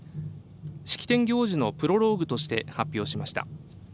式典行事のプロローグとして発表しました。